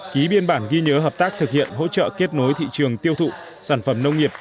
ký biên bản ghi nhớ hợp tác thực hiện hỗ trợ kết nối thị trường tiêu thụ sản phẩm nông nghiệp